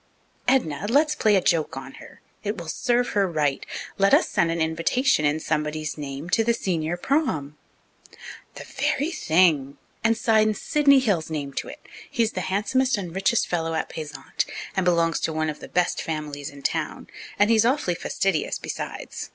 "Edna, let's play a joke on her. It will serve her right. Let us send an invitation in somebody's name to the senior 'prom.'" "The very thing! And sign Sidney Hill's name to it. He's the handsomest and richest fellows at Payzant, and belongs to one of the best families in town, and he's awfully fastidious besides.